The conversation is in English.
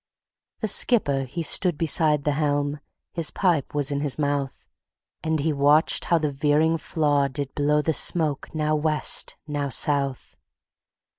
The skipper he stood beside the helm, His pipe was in his mouth, And he watched how the veering flaw did blow The smoke now West, now South.